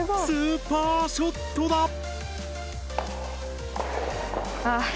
スーパーショットだ！